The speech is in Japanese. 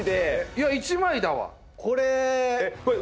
いや１枚だわ。